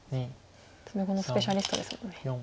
詰碁のスペシャリストですもんね。